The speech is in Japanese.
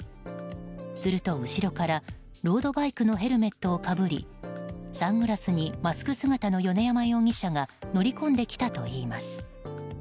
すると、後ろからロードバイクのヘルメットをかぶりサングラスにマスク姿の米山容疑者が乗り込んできたといいます。